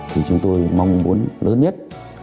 thì chúng tôi mong muốn lớn nhất